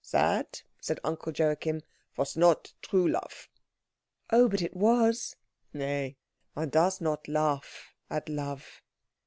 "That," said Uncle Joachim, "was not true love." "Oh, but it was." "Nay. One does not laugh at love."